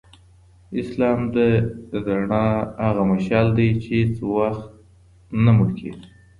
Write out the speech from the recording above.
اسلام د رڼا هغه مشعل دی چي هیڅ وختنه مړ کیږي.